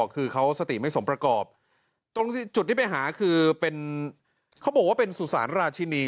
เขาบอกว่าเป็นสุสานราชินี